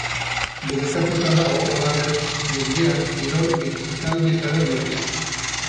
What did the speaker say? Debekatuta dago, halaber, jendeak kirol-ekitaldietara joatea.